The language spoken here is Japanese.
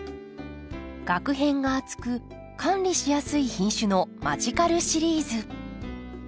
がく片が厚く管理しやすい品種のマジカルシリーズ。